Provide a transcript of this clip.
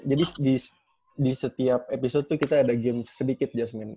jadi di setiap episode tuh kita ada gilman